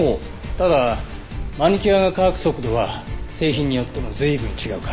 ただマニキュアが乾く速度は製品によっても随分違うからね。